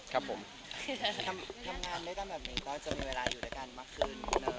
ทำงานด้วยก็มีเวลาอยู่ด้วยกันมะคืน